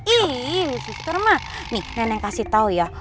ih sister mah nih nenek kasih tau ya